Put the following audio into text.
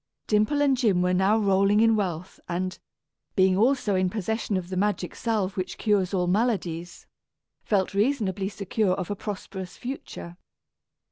Dimple and Jim were now rolling in wealth and, being also in possession of the magic salve which cures all maladies, felt reasonably secure of a prosperous future.